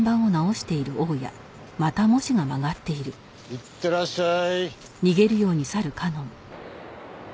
いってらっしゃい。